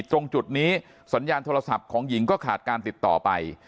ตรงจุดนี้สัญญาณโทรศัพท์ของหญิงก็ขาดการติดต่อไป